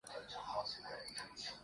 تو ایسی سوچ کا پاسدار کون ہو گا؟